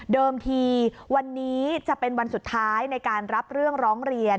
ทีวันนี้จะเป็นวันสุดท้ายในการรับเรื่องร้องเรียน